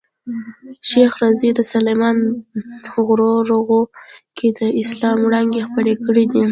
شېخ رضي د سلېمان په غرو رغو کښي د اسلام وړانګي خپرې کړي دي.